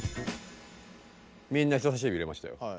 みんな人さし指入れましたよ。